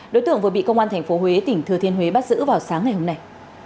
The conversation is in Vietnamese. đối tượng vừa bị công an tp huế tỉnh thừa thiên huế bắt giữ vào sáng ngày hôm nay